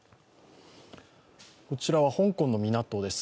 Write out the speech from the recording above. こちらは香港の港です。